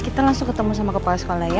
kita langsung ketemu sama kepala sekolah ya